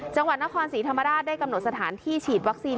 จังหวัดนครศรีธรรมราชได้กำหนดสถานที่ฉีดวัคซีน